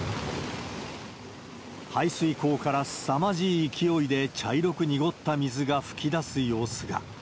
排水溝からすさまじい勢いで茶色く濁った水が噴き出す様子が。